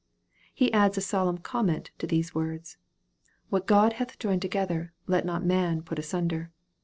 He adds a solemn comment to these words " What God hath joined together, let not man put asunder."